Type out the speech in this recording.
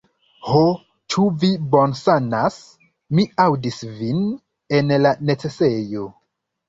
"Ho, ĉu vi bonsanas? Mi aŭdis vin en la necesejo!"